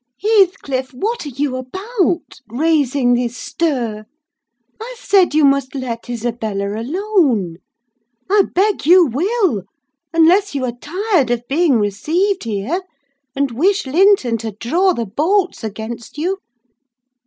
Heathcliff, what are you about, raising this stir? I said you must let Isabella alone!—I beg you will, unless you are tired of being received here, and wish Linton to draw the bolts against you!"